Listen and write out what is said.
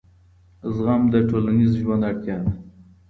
زغم د ټولنیز ژوند اړتیا ده.